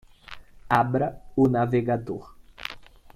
Abra o navegador.